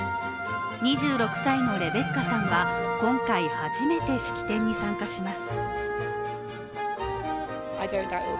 ２６歳のレベッカさんは今回初めて式典に参加します。